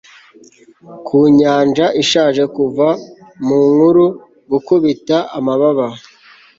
ku nyanja ishaje kuva mu nkuru, gukubita amababa